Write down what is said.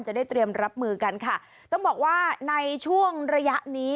จะได้เตรียมรับมือกันค่ะต้องบอกว่าในช่วงระยะนี้